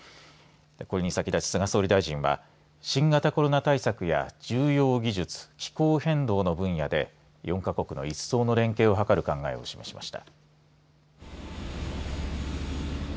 これに先立ち菅総理大臣は新型コロナ対策や重要技術、気候変動の分野で４か国の一層の連携を図る考えを示しました。